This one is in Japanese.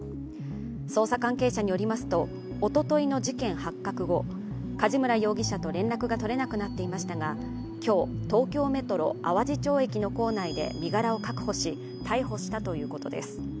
捜査関係者によりますと、おとといの事件発覚後、梶村容疑者と連絡が取れなくなっていましたが、今日、東京メトロ・淡路町駅の構内で身柄を確保し、逮捕したということです。